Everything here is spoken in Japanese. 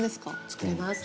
作れます。